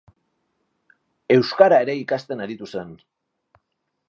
Euskara ere ikasten aritu zen.